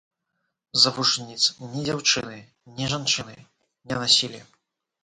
Завушніц ні дзяўчыны, ні жанчыны не насілі.